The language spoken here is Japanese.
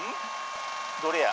どれや？